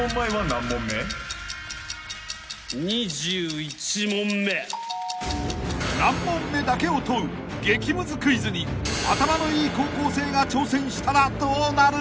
［何問目だけを問う激ムズクイズに頭のいい高校生が挑戦したらどうなる？］